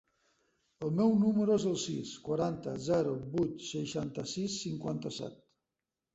El meu número es el sis, quaranta, zero, vuit, seixanta-sis, cinquanta-set.